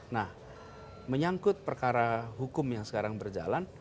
nah menyangkut perkara hukum yang sekarang berjalan